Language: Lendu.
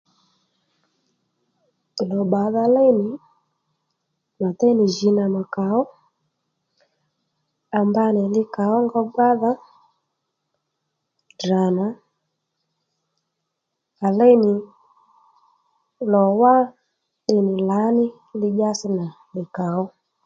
Lò bbàdha léy nì mà déy nì jǐ nà mà kà ó à mba nì li kàónga gbádha Ddrà nà à léy nì lò wá tde nì lǎní lidyási nà likà ó